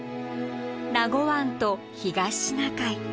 名護湾と東シナ海